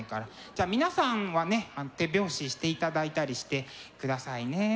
じゃあ皆さんはね手拍子していただいたりしてくださいね。